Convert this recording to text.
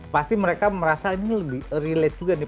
pasti mereka merasa ini lebih relate juga nih